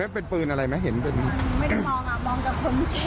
เห็นไม่เป็นปืนอะไรไหมเห็นเป็นมันไม่ได้มองอ่ะ